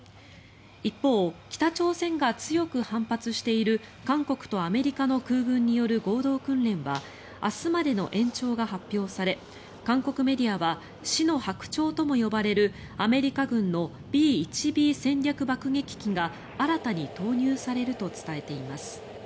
一方、北朝鮮が強く反発している韓国とアメリカの空軍による合同訓練は明日までの延長が発表され韓国メディアは死の白鳥とも呼ばれるアメリカ軍のＢ１Ｂ戦略爆撃機が新たに投入されると伝えています。